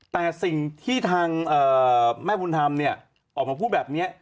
แต่สิ่งที่ทางแม่บุญธรรมเนี่ยออกมาพูดแบบนี้